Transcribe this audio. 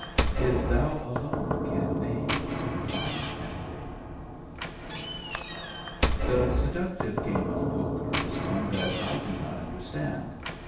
'Tis Thou alone can name the final ending" The seductive game of poker is one that I do not understand.